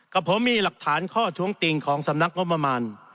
กับผมมีหลักฐานข้อถวงติ่งของสำนักมมาร